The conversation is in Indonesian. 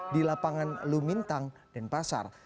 di lapangan lumintang denpasar